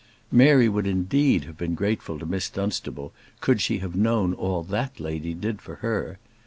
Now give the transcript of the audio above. Mary would indeed have been grateful to Miss Dunstable, could she have known all that lady did for her.